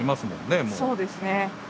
そうですね。